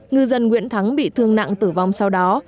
ngư dân nguyễn thắng bị thương nặng tử vong sau đó